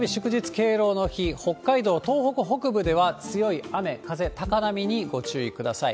敬老の日、北海道、東北北部では強い雨、風、高波にご注意ください。